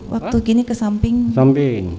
waktu gini ke samping